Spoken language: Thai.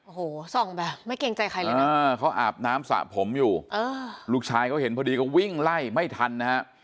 โอ้โหส่องแบบไม่เกรงใจใครเลยนะเขาอาบน้ำสระผมอยู่ลูกชายเขาเห็นพอดีก็วิ่งไล่ไม่ทันนะฮะ